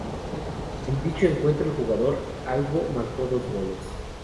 En dicho encuentro el jugador albo marcó dos goles.